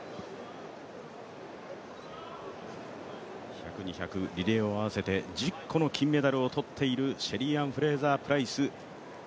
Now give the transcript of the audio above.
１００、２００、リレーを合わせて１０個のメダルを取っているシェリーアン・フレイザープライス。